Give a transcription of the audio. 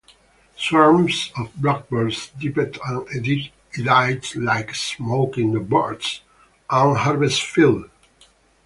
Swarms of blackbirds dipped and eddied like smoke in the birds' own harvest field.